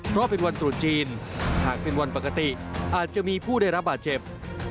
เพราะเป็นวันตรุษจีนหากเป็นวันปกติอาจจะมีผู้ได้รับบาดเจ็บ